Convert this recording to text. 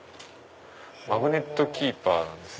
マグネットキーパーなんです。